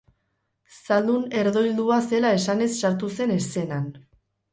Zaldun herdoildua zela esanez sartu zen eszenan.